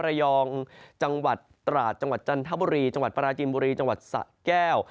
ระยองจังหวัดตราดจังหวัดจันทบุรีจังหวัดปราจินบุรีจังหวัดสะแก้ว